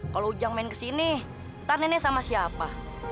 kalau ujang main kesini ntar nenek sama siapa